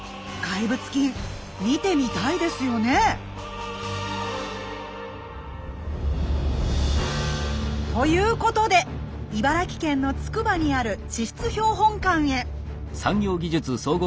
怪物金見てみたいですよね。ということで茨城県のつくばにある地質標本館へ！